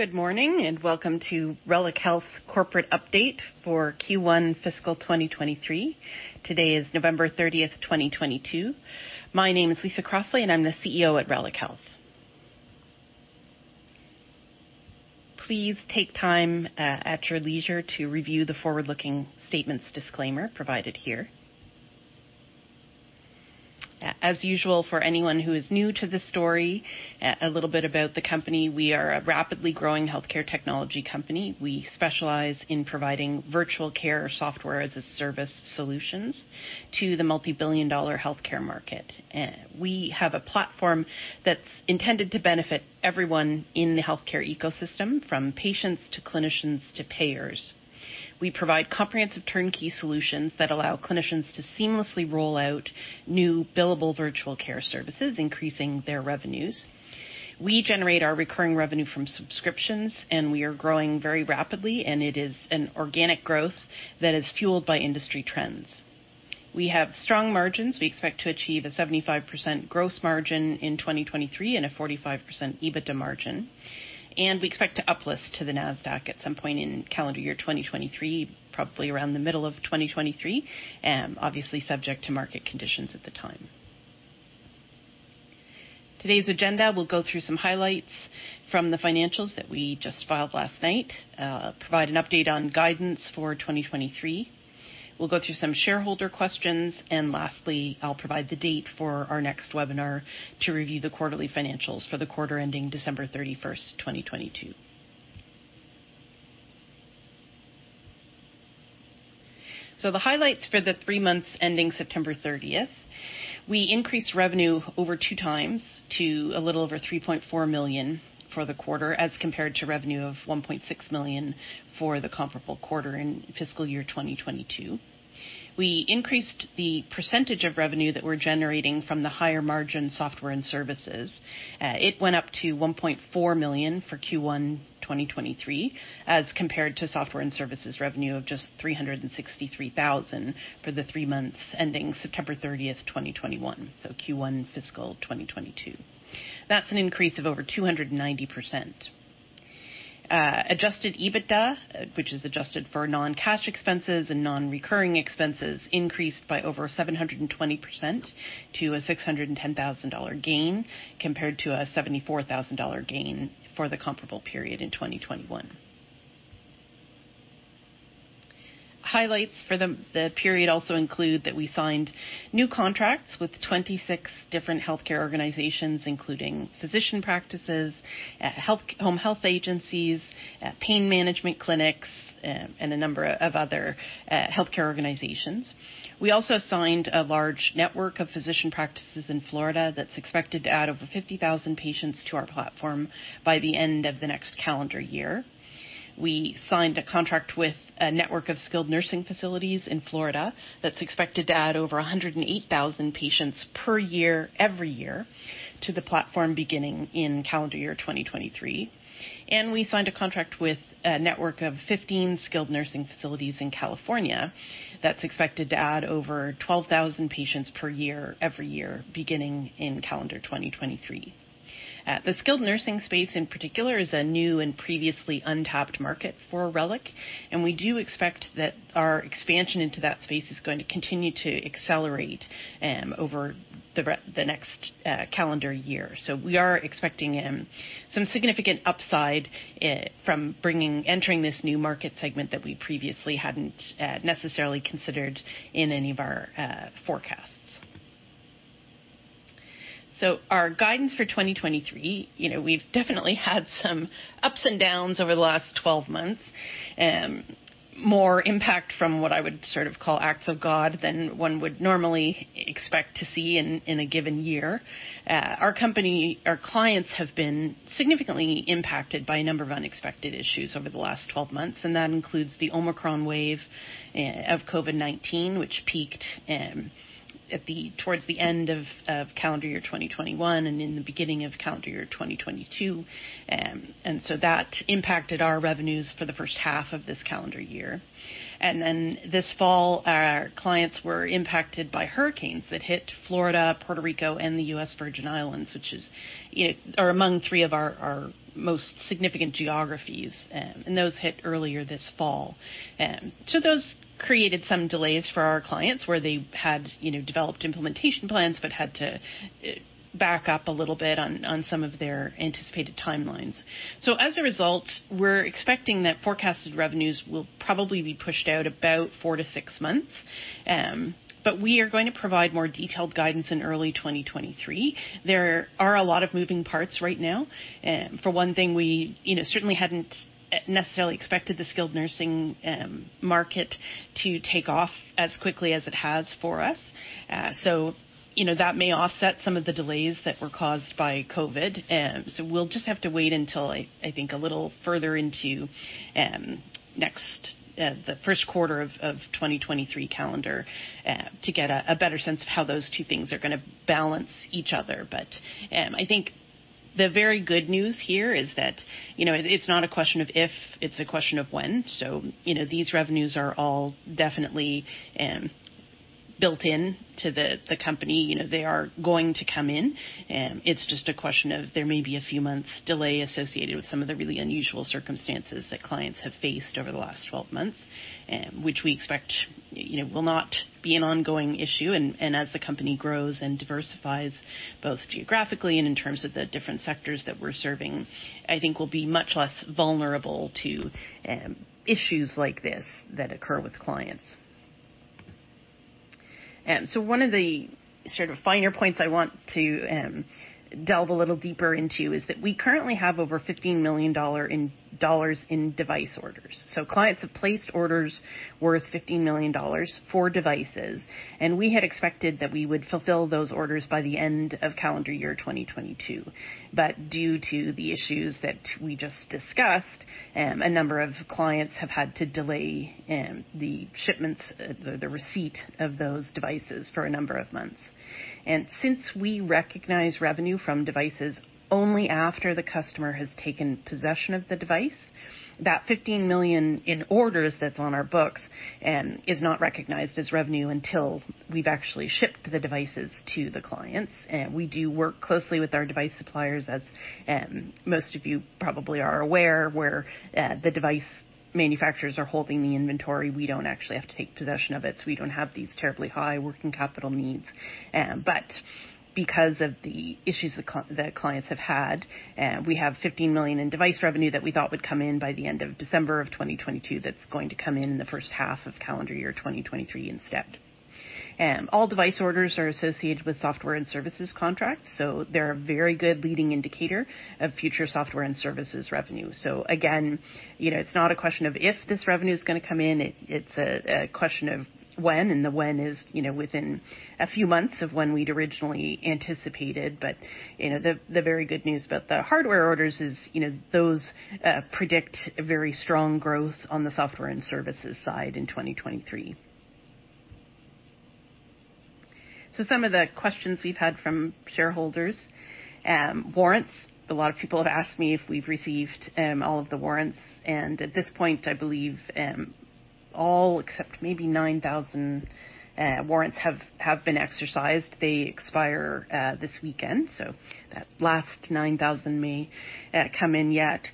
Good morning, welcome to Reliq Health's corporate update for Q1 FY 2023. Today is November 30, 2022. My name is Lisa Crossley, and I'm the CEO at Reliq Health. Please take time at your leisure to review the forward-looking statements disclaimer provided here. As usual, for anyone who is new to the story, a little bit about the company. We are a rapidly growing healthcare technology company. We specialize in providing virtual care software as a service solutions to the multi-billion dollar healthcare market. We have a platform that's intended to benefit everyone in the healthcare ecosystem, from patients to clinicians to payers. We provide comprehensive turnkey solutions that allow clinicians to seamlessly roll out new billable virtual care services, increasing their revenues. We generate our recurring revenue from subscriptions, and we are growing very rapidly, and it is an organic growth that is fueled by industry trends. We have strong margins. We expect to achieve a 75% gross margin in 2023 and a 45% EBITDA margin, and we expect to uplist to the Nasdaq at some point in calendar year 2023, probably around the middle of 2023, obviously subject to market conditions at the time. Today's agenda, we'll go through some highlights from the financials that we just filed last night, provide an update on guidance for 2023. We'll go through some shareholder questions, and lastly, I'll provide the date for our next webinar to review the quarterly financials for the quarter ending December 31, 2022. The highlights for the three months ending September 30. We increased revenue over 2x to a little over $3.4 million for the quarter, as compared to revenue of $1.6 million for the comparable quarter in FY 2022. We increased the percentage of revenue that we're generating from the higher margin software and services. It went up to $1.4 million for Q1 2023, as compared to software and services revenue of just $363,000 for the three months ending September 30, 2021. Q1 FY 2022. That's an increase of over 290%. Adjusted EBITDA, which is adjusted for non-cash expenses and non-recurring expenses, increased by over 720% to a $610,000 gain, compared to a $74,000 gain for the comparable period in 2021. Highlights for the period also include that we signed new contracts with 26 different healthcare organizations, including physician practices, home health agencies, pain management clinics, and a number of other healthcare organizations. We also signed a large network of physician practices in Florida that's expected to add over 50,000 patients to our platform by the end of the next calendar year. We signed a contract with a network of skilled nursing facilities in Florida that's expected to add over 108,000 patients per year every year to the platform beginning in calendar year 2023. We signed a contract with a network of 15 skilled nursing facilities in California that's expected to add over 12,000 patients per year every year, beginning in calendar 2023. The skilled nursing space in particular is a new and previously untapped market for Reliq. We do expect that our expansion into that space is going to continue to accelerate over the next calendar year. We are expecting some significant upside from entering this new market segment that we previously hadn't necessarily considered in any of our forecasts. Our guidance for 2023, you know, we've definitely had some ups and downs over the last 12 months. More impact from what I would sort of call acts of God than one would normally expect to see in a given year. Our company, our clients have been significantly impacted by a number of unexpected issues over the last 12 months, that includes the Omicron wave of COVID-19, which peaked towards the end of calendar year 2021 and in the beginning of calendar year 2022. That impacted our revenues for the H1 of this calendar year. This fall, our clients were impacted by hurricanes that hit Florida, Puerto Rico, and the U.S. Virgin Islands, which, you know, are among three of our most significant geographies. Those hit earlier this fall. Those created some delays for our clients where they had, you know, developed implementation plans, but had to back up a little bit on some of their anticipated timelines. As a result, we're expecting that forecasted revenues will probably be pushed out about four months-six months. We are going to provide more detailed guidance in early 2023. There are a lot of moving parts right now. For one thing, we, you know, certainly hadn't necessarily expected the skilled nursing market to take off as quickly as it has for us. You know, that may offset some of the delays that were caused by COVID. We'll just have to wait until I think a little further into next the Q1 of 2023 calendar to get a better sense of how those two things are gonna balance each other. I think the very good news here is that, you know, it's not a question of if, it's a question of when. These revenues are all definitely Built in to the company, you know, they are going to come in, it's just a question of there may be a few months delay associated with some of the really unusual circumstances that clients have faced over the last 12 months, which we expect, you know, will not be an ongoing issue. As the company grows and diversifies both geographically and in terms of the different sectors that we're serving, I think we'll be much less vulnerable to issues like this that occur with clients. One of the sort of finer points I want to delve a little deeper into is that we currently have over $15 million in device orders. Clients have placed orders worth $15 million for devices, and we had expected that we would fulfill those orders by the end of calendar year 2022. Due to the issues that we just discussed, a number of clients have had to delay the shipments, the receipt of those devices for a number of months. Since we recognize revenue from devices only after the customer has taken possession of the device, that $15 million in orders that's on our books, is not recognized as revenue until we've actually shipped the devices to the clients. We do work closely with our device suppliers, as most of you probably are aware, where the device manufacturers are holding the inventory. We don't actually have to take possession of it, so we don't have these terribly high working capital needs. Because of the issues the clients have had, we have $15 million in device revenue that we thought would come in by the end of December of 2022, that's going to come in in the first half of calendar year 2023 instead. All device orders are associated with software and services contracts, so they're a very good leading indicator of future software and services revenue. Again, you know, it's not a question of if this revenue is gonna come in, it's a question of when, and the when is, you know, within a few months of when we'd originally anticipated. You know, the very good news about the hardware orders is, you know, those predict a very strong growth on the software and services side in 2023. Some of the questions we've had from shareholders. Warrants. A lot of people have asked me if we've received all of the warrants, and at this point, I believe all except maybe 9,000 warrants have been exercised. They expire this weekend, so that last 9,000 may come in yet.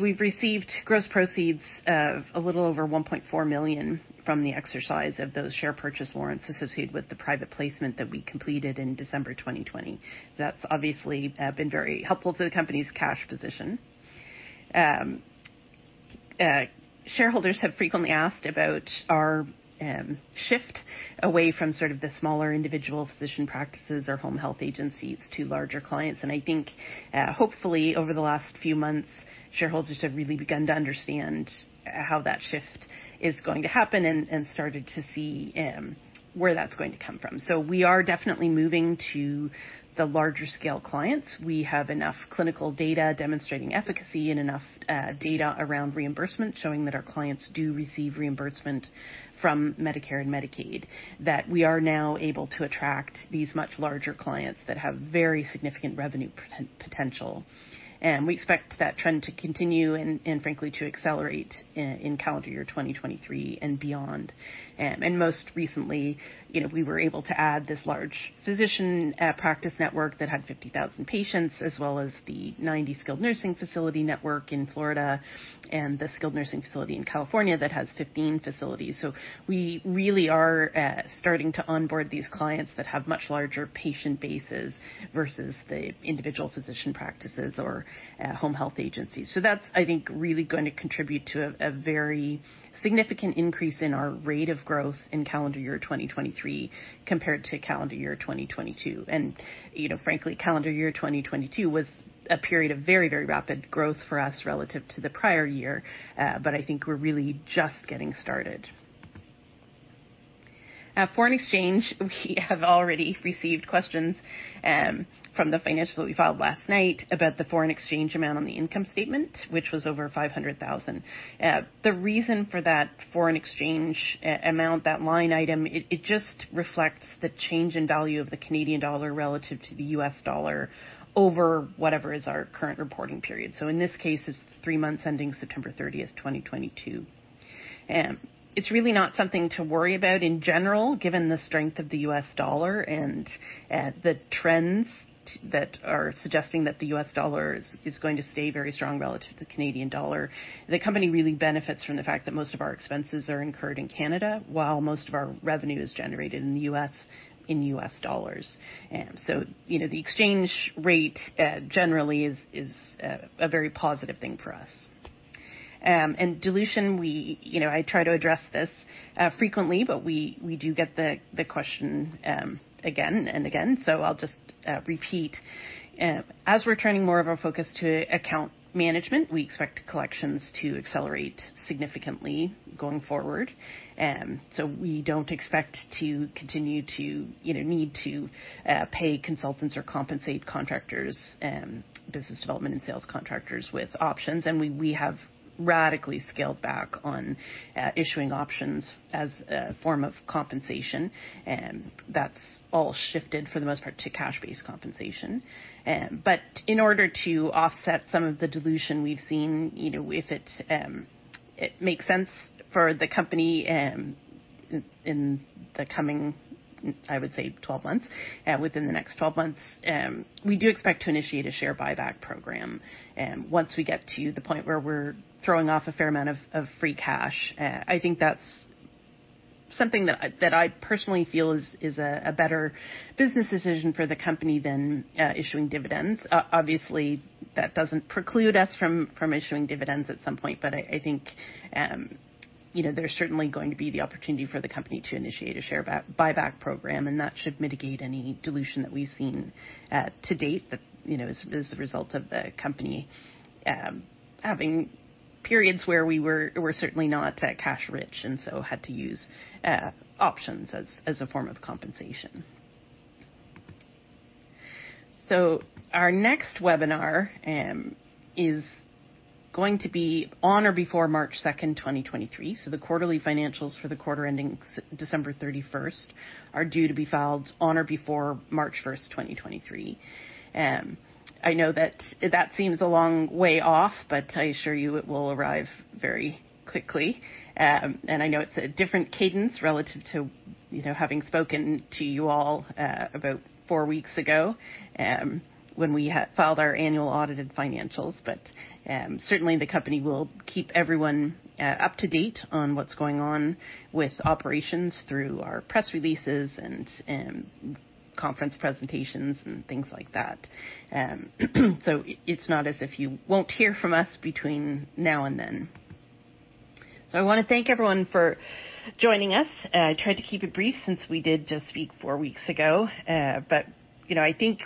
We've received gross proceeds of a little over 1.4 million from the exercise of those share purchase warrants associated with the private placement that we completed in December 2020. That's obviously been very helpful to the company's cash position. Shareholders have frequently asked about our shift away from sort of the smaller individual physician practices or home health agencies to larger clients. I think hopefully over the last few months, shareholders have really begun to understand how that shift is going to happen and started to see where that's going to come from. We are definitely moving to the larger scale clients. We have enough clinical data demonstrating efficacy and enough data around reimbursement, showing that our clients do receive reimbursement from Medicare and Medicaid, that we are now able to attract these much larger clients that have very significant revenue potential. We expect that trend to continue and frankly, to accelerate in calendar year 2023 and beyond. Most recently, you know, we were able to add this large physician practice network that had 50,000 patients, as well as the 90 skilled nursing facility network in Florida and the skilled nursing facility in California that has 15 facilities. We really are starting to onboard these clients that have much larger patient bases versus the individual physician practices or home health agencies. That's, I think, really going to contribute to a very significant increase in our rate of growth in calendar year 2023 compared to calendar year 2022. You know, frankly, calendar year 2022 was a period of very, very rapid growth for us relative to the prior year. I think we're really just getting started. Foreign exchange. We have already received questions from the financials that we filed last night about the foreign exchange amount on the income statement, which was over 500,000. The reason for that foreign exchange amount, that line item, it just reflects the change in value of the Canadian dollar relative to the US dollar over whatever is our current reporting period. In this case, it's three months ending September 30, 2022. It's really not something to worry about in general, given the strength of the US dollar and the trends that are suggesting that the US dollar is going to stay very strong relative to the Canadian dollar. The company really benefits from the fact that most of our expenses are incurred in Canada, while most of our revenue is generated in the U.S. in US dollars. You know, the exchange rate generally is a very positive thing for us. Dilution, we... You know, I try to address this frequently, but we do get the question again and again. I'll just repeat. As we're turning more of our focus to account management, we expect collections to accelerate significantly going forward. We don't expect to continue to, you know, need to pay consultants or compensate contractors, business development and sales contractors with options. We, we have radically scaled back on issuing options as a form of compensation. That's all shifted, for the most part, to cash-based compensation. In order to offset some of the dilution we've seen, you know, if it makes sense for the company, in the coming, I would say, 12 months. Within the next 12 months, we do expect to initiate a share buyback program, once we get to the point where we're throwing off a fair amount of free cash. I think that's something that I, that I personally feel is a better business decision for the company than issuing dividends. Obviously, that doesn't preclude us from issuing dividends at some point, but I think, you know, there's certainly going to be the opportunity for the company to initiate a share buyback program, and that should mitigate any dilution that we've seen to date that, you know, as a result of the company having periods where we were, we're certainly not cash rich and so had to use options as a form of compensation. Our next webinar is going to be on or before March 2, 2023. The quarterly financials for the quarter ending December 31 are due to be filed on or before March 1, 2023. I know that that seems a long way off, but I assure you it will arrive very quickly. And I know it's a different cadence relative to, you know, having spoken to you all about four weeks ago, when we had filed our annual audited financials. Certainly the company will keep everyone up to date on what's going on with operations through our press releases and conference presentations and things like that. It's not as if you won't hear from us between now and then. I wanna thank everyone for joining us. I tried to keep it brief since we did just speak four weeks ago. You know, I think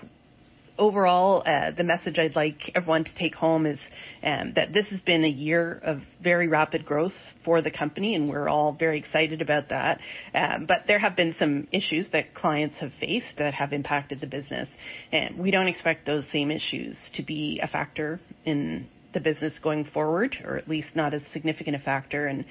overall, the message I'd like everyone to take home is that this has been a year of very rapid growth for the company, and we're all very excited about that. There have been some issues that clients have faced that have impacted the business, and we don't expect those same issues to be a factor in the business going forward, or at least not as significant a factor.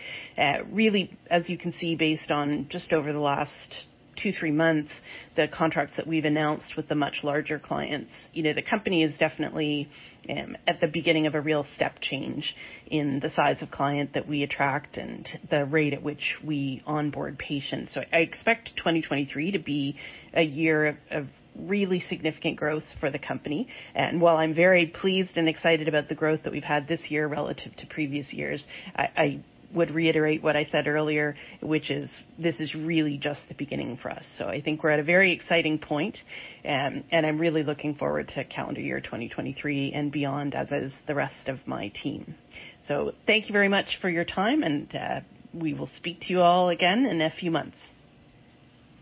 Really, as you can see, based on just over the last two months, three months, the contracts that we've announced with the much larger clients, you know, the company is definitely at the beginning of a real step change in the size of client that we attract and the rate at which we onboard patients. I expect 2023 to be a year of really significant growth for the company. While I'm very pleased and excited about the growth that we've had this year relative to previous years, I would reiterate what I said earlier, which is this is really just the beginning for us. I think we're at a very exciting point, and I'm really looking forward to calendar year 2023 and beyond, as is the rest of my team. Thank you very much for your time, and we will speak to you all again in a few months.